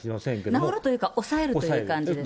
治るというか、抑えるという感じです。